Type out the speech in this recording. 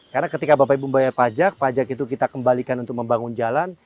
karena ketika bapak ibu membayar pajak pajak itu kita kembalikan untuk membangun jalan